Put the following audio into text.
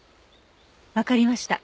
わかりました。